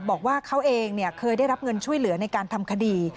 บอกว่าเขาเองเคยได้รับเงินช่วยเหลือในการทำคดี